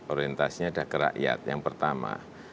orientasinya ada ke rakyat yang pertama